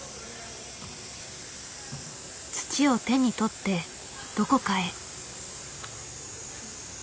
土を手に取ってどこかへ。